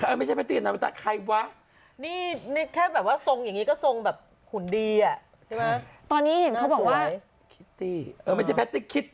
เออไม่ใช่แพตตี้นาวินต้าใครวะนี่นี่แค่แบบว่าทรงอย่างงี้ก็ทรงแบบหุ่นดีอ่ะใช่ไหม